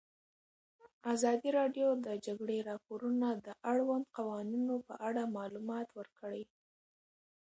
ازادي راډیو د د جګړې راپورونه د اړونده قوانینو په اړه معلومات ورکړي.